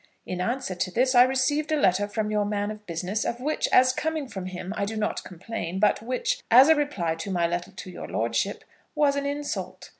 In answer to this I received a letter from your man of business, of which, as coming from him, I do not complain, but which, as a reply to my letter to your lordship, was an insult.